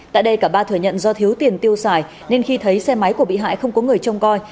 tại đây cả ba thừa nhận do thiếu tiền tiêu xài nên khi thấy xe máy của bị hại không có người trông coi